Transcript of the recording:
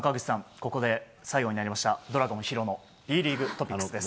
ここで最後になりましたドラゴン弘のＢリーグトピックスです。